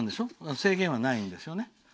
制限はないんですよね。